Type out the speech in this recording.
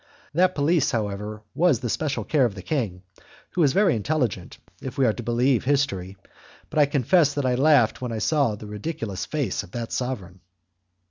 That police, however, was the special care of the king, who was very intelligent; if we are to believe history, but I confess that I laughed when I saw the ridiculous face of that sovereign.